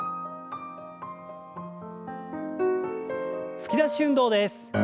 突き出し運動です。